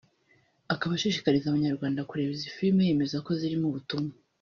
akaba ashishikariza Abanyarwanda kureba izi filime yemeza ko zirimo ubutumwa